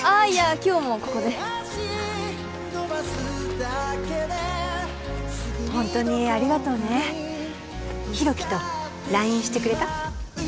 今日もここでホントにありがとうね広樹とＬＩＮＥしてくれた？